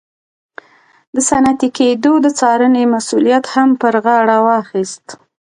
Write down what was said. د صنعتي کېدو د څارنې مسوولیت هم پر غاړه واخیست.